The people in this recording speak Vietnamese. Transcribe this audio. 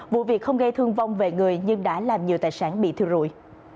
vụ việc không gây thương vong về người nhưng đã làm nhiều tài sản bị thiêu rụi